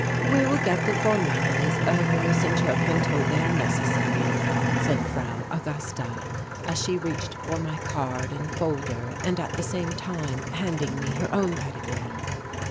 "We will get the formalities over since you have been told they are necessary," said Frau Augusta, as she reached for my card and folder and, at the same time, handing me her own pedigree.